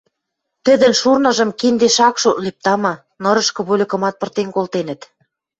Тӹдӹн шурныжым киндеш ак шотлеп, тама: нырышкы вольыкымат пыртен колтенӹт.